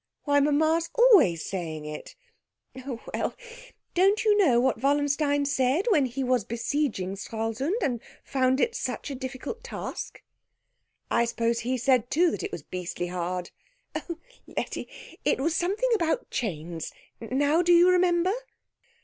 "Why, mamma's always saying it." "Oh, well. Don't you know what Wallenstein said when he was besieging Stralsund and found it such a difficult task?" "I suppose he said too that it was beastly hard." "Oh, Letty it was something about chains. Now do you remember?"